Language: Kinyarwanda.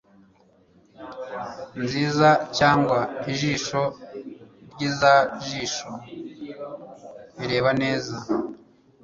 nziza cyangwa ijisho ryizaijisho rireba neza